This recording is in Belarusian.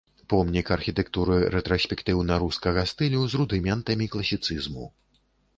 Помнік архітэктуры рэтраспектыўна-рускага стылю з рудыментамі класіцызму.